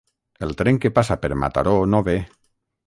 El tren que passa per Mataró no ve.